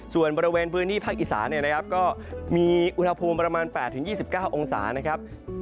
ส่วนบริเวณพื้นที่ภาคอีสานเนี่ยนะครับก็มีอุณหภูมิประมาณ๘๒๙องศานะครับ